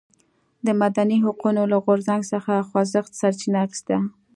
د مدني حقونو له غورځنګ څخه خوځښت سرچینه اخیسته.